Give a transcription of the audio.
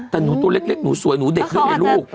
แต่หนูตัวเล็กหนูสวยหนูเด็กด้วยไงลูก